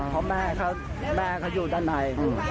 เพราะแม่เขาอยู่ด้านใน